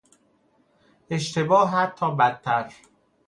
اشتباه حتی بدتر